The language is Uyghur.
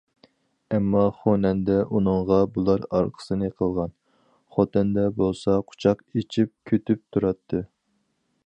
ئەمما، خۇنەندە ئۇنىڭغا بۇلار ئارقىسىنى قىلغان، خوتەندە بولسا قۇچاق ئېچىپ كۈتۈپ تۇراتتى.